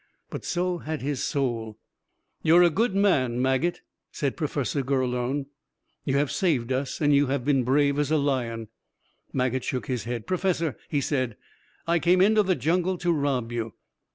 But so had his soul. "You're a good man, Maget," said Professor Gurlone. "You have saved us, and you have been brave as a lion." Maget shook his head. "Professor," he said. "I came into the jungle to rob you.